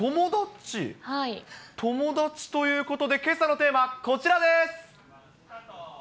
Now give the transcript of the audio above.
友達ということで、けさのテーマはこちらです。